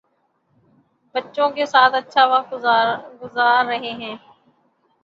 بچوں کے ساتھ اچھا وقت گذار رہے ہیں